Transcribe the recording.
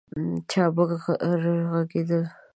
چابک ږغېدل